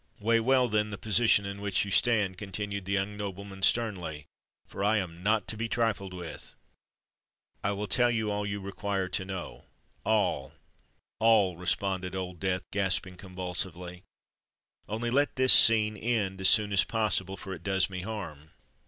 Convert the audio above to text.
Weigh well, then, the position in which you stand," continued the young nobleman sternly: "for I am not to be trifled with!" "I will tell you all you require to know—all—all," responded Old Death, gasping convulsively: "only let this scene end as soon as possible—for it does me harm."